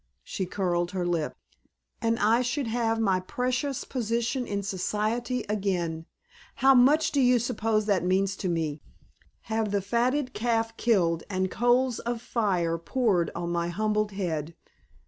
She curled her lip. "And I should have my precious position in Society again! How much do you suppose that means to me? Have the fatted calf killed and coals of fire poured on my humbled head!